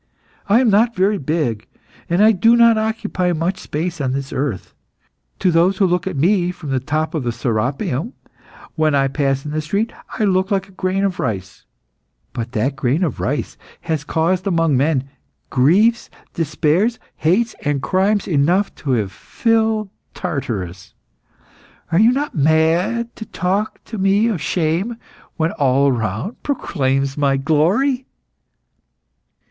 I am not very big, and I do not occupy much space on the earth. To those who look at me from the top of the Serapeium, when I pass in the street, I look like a grain of rice; but that grain of rice has caused among men, griefs, despairs, hates, and crimes enough to have filled Tartarus. Are you not mad to talk to me of shame when all around proclaims my glory?"